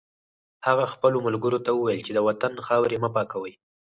هغه خپلو ملګرو ته وویل چې د وطن خاورې مه پاکوئ